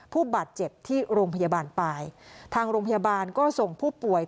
ผู้บาดเจ็บที่โรงพยาบาลปลายทางโรงพยาบาลก็ส่งผู้ป่วย